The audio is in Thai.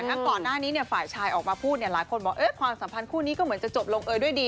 ก่อนหน้านี้ฝ่ายชายออกมาพูดหลายคนบอกความสัมพันธ์คู่นี้ก็เหมือนจะจบลงเอยด้วยดี